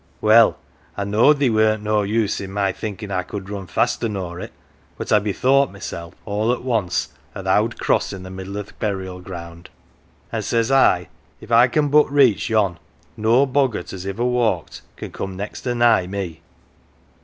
Well, I knowed theer weren't no use i' my thinkin' I could run faster nor it, but I bethought mysel' all at once o' th' owd cross i' th' middle o' th' burial ground, an" 1 says I, ' If I can but reach yon, no boggart as iver walked can come next or nigh me."